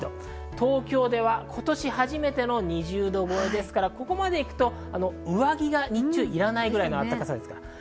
東京では今年初めての２０度超えですから、ここまでいくと上着が日中いらないぐらいの暖かさです。